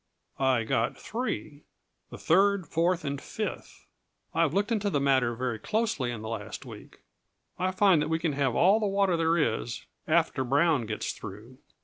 "I got three the third, fourth, and fifth. I have looked into the matter very closely in the last week. I find that we can have all the water there is after Brown gets through.